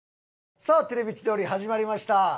さあ『テレビ千鳥』始まりました。